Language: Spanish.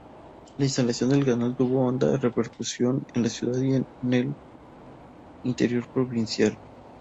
La instalación del canal tuvo honda repercusión en la ciudad y el interior provincial.